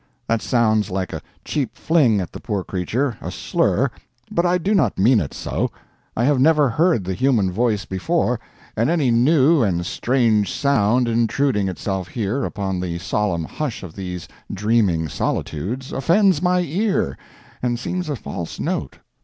That sounds like a cheap fling at the poor creature, a slur; but I do not mean it so. I have never heard the human voice before, and any new and strange sound intruding itself here upon the solemn hush of these dreaming solitudes offends my ear and seems a false note.